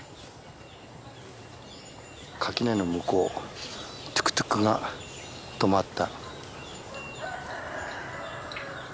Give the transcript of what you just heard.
垣根の向こうトゥクトゥクが停まった。